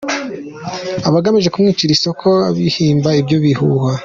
abagamije kumwicira isoko abhimba ibyo bihuha.